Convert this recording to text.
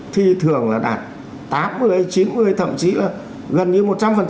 thì thường là đạt tám mươi chín mươi thậm chí là gần như một trăm linh